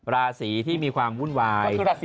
ราศีที่มีความวุ่นวาย